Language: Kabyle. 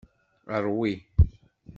Rwi.